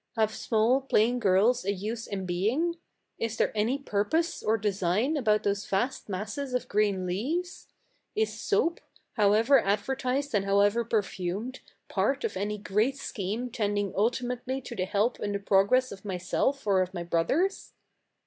Have small, plain girls a use in being? Is there any purpose or design about those vast masses of green leaves ? Is soap, however advertised and how ever perfumed, part of any great scheme tending ulti mately to the help and the progress of myself or of my brothers?"